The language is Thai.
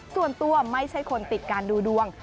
ส่วนตัวไม่ใช่คนติดการดูดวง